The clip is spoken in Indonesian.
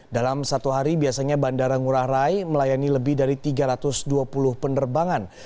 dalam satu hari biasanya bandara ngurah rai melayani lebih dari tiga ratus dua puluh penerbangan